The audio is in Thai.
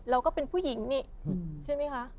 เราก็เป็นผู้หญิงนี่ใช่ไหมคะ